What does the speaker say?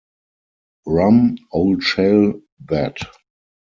Rum old shell, that.